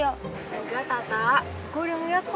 gak tata gue udah liat